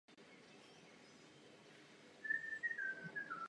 Po Jindřichovi získal panství jeho syn Petr ze Sovince a Doubravice.